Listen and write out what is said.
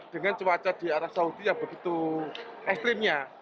dengan cuaca di arab saudi yang begitu ekstrimnya